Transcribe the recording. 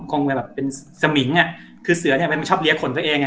คงจะแบบเป็นสมิงอ่ะคือเสือเนี้ยมันชอบเลี้ยขนตัวเองอ่ะ